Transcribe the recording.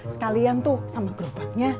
sekalian tuh sama gerobaknya